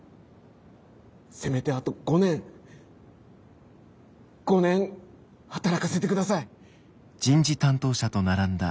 せめてあと５年５年働かせてください。